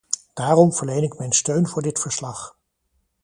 Daarom verleen ik mijn steun voor dit verslag.